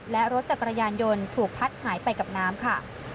และรถจักรยานยนต์ถูกพัดหายไปกับน้ำค่ะ